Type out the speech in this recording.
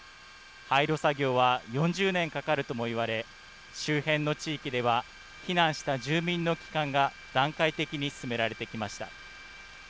廃炉作業は４０年かかるともいわれ、周辺の地域では、避難した住民の帰還が段階的に進められてきました。